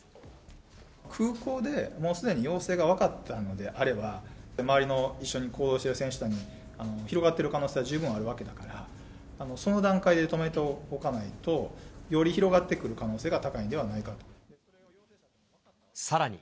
空港でもうすでに陽性が分かったのであれば、周りの一緒に行動している選手団に、広がってる可能性は十分あるわけだから、その段階で止めておかないと、より広がってくる可能さらに。